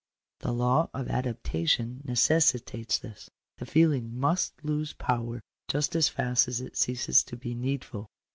The law of adaptation necessitates this. The feeling must lose power just as fast as it ceases to be needful.